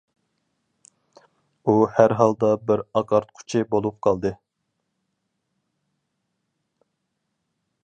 ئۇ ھەرھالدا بىر ئاقارتقۇچى بولۇپ قالدى.